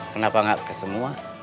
kenapa gak ke semua